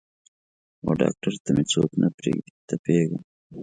وډاکتر ته مې څوک نه پریږدي تپیږم